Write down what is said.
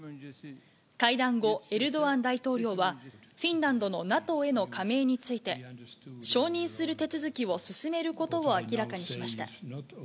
会談後、エルドアン大統領は、フィンランドのＮＡＴＯへの加盟について、承認する手続きを進めることを明らかにしました。